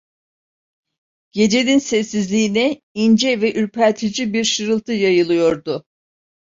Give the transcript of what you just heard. Gecenin sessizliğine ince ve ürpertici bir şırıltı yayılıyordu.